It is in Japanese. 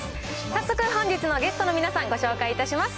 早速、本日のゲストの皆さん、ご紹介いたします。